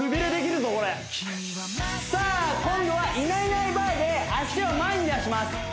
さあ今度はいないいないばあで足を前に出します